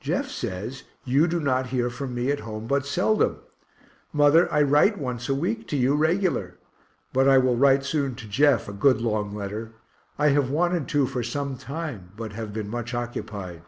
Jeff says you do not hear from me at home but seldom. Mother, I write once a week to you regular; but I will write soon to Jeff a good long letter I have wanted to for some time, but have been much occupied.